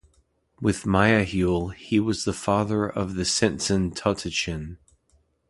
With Mayahuel, he was the father of the Centzon Totochtin.